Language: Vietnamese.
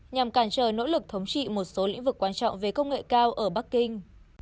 nhằm cản trời nỗ lực thống trị một số lĩnh vực quan trọng về công nghệ cao ở bắc kinh